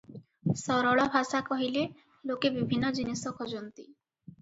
ସରଳ ଭାଷା କହିଲେ ଲୋକେ ବିଭିନ୍ନ ଜିନିଷ ଖୋଜନ୍ତି ।